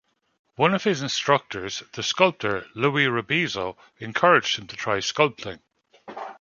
One of his instructors, the sculptor Louis Rebisso, encouraged him to try sculpting.